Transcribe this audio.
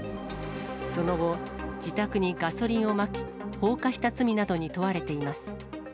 その後、自宅にガソリンをまき、放火した罪などに問われています。